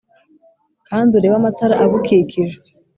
kandi urebe amatara agukikije